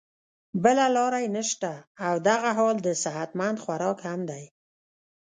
بله لار ئې نشته او دغه حال د صحت مند خوراک هم دے